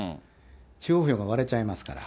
地方票が割れちゃいますから。